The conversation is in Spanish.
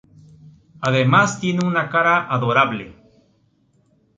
Además tiene una cara adorable.